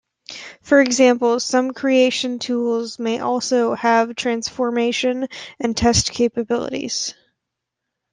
For example, some creation tools may also have transformation and test capabilities.